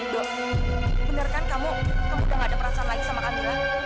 do bener kan kamu kamu udah gak ada perasaan lain sama kamila